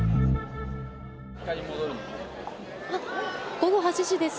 午後８時です。